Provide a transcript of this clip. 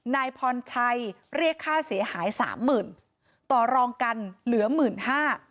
นายพรชัยเรียกค่าเสียหายสามหมื่นต่อรองกันเหลือหมื่นห้า